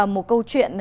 một câu chuyện